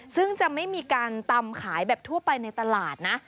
ซึ่งจะไม่มีการตำขายแบบทั่วไปในตลาดนะ